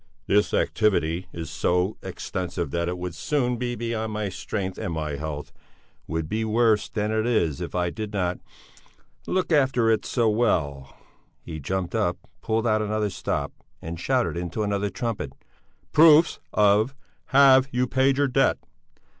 "This activity is so extensive that it would soon be beyond my strength and my health would be worse than it is if I did not look after it so well." He jumped up, pulled out another stop and shouted into another trumpet: "Proofs of 'Have you paid your Debt?'"